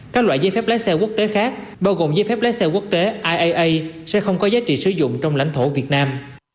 các loại giấy phép lái xe quốc tế khác bao gồm giấy phép lái xe quốc tế iaa sẽ không có giá trị sử dụng trong lãnh thổ việt nam